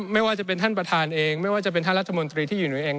ไม่ว่าจะเป็นท่านประธานเองไม่ว่าจะเป็นท่านรัฐมนตรีที่อยู่ในเอง